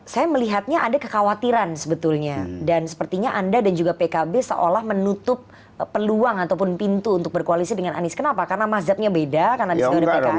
saya melihatnya ada kekhawatiran sebetulnya dan sepertinya anda dan juga pkb seolah menutup peluang ataupun pintu untuk berkoalisi dengan anies kenapa karena mazhabnya beda karena disitu ada pks